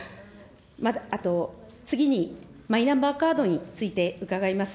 あと次に、マイナンバーカードについて伺います。